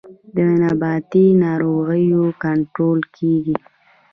د نباتي ناروغیو کنټرول کیږي